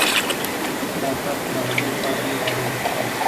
دا پارک تر هغه بل پارک ډېر ارامه ښکاري.